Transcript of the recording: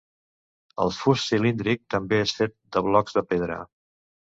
El fust cilíndric també és fet de blocs de pedra.